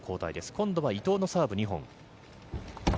今度は伊藤のサーブ２本。